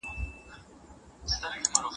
سیدجمال